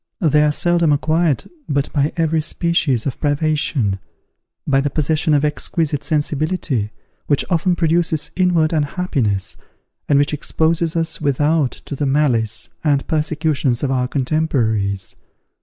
They are seldom acquired but by every species of privation, by the possession of exquisite sensibility, which often produces inward unhappiness, and which exposes us without to the malice and persecutions of our contemporaries.